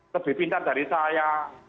lebih pintar dari saya